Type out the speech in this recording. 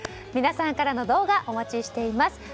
皆さんからの動画お待ちしています。